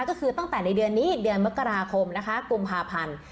ก็คือตั้งแต่ในเดือนนี้เดือนมกราคมนะคะกุมภาพันธ์